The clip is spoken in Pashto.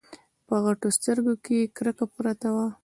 په غټو سترګو کې يې کرکه پرته وه.